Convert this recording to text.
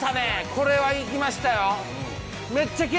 これはいきましたよ。